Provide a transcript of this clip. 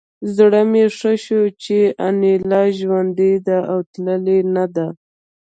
زړه مې ښه شو چې انیلا ژوندۍ ده او تللې نه ده